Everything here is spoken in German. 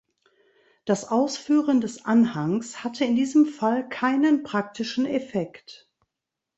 Das Ausführen des Anhangs hatte in diesem Fall keinen praktischen Effekt.